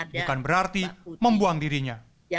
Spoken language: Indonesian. bukan berarti membuang dirinya